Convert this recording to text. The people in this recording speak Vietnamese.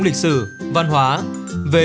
lịch sử văn hóa về